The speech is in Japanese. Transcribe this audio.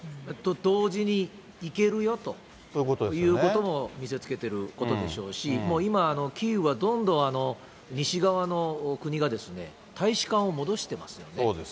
同時に行けるよということも見せつけていることでしょうし、もう今、キーウはどんどん西側の国が大使館を戻してますよね。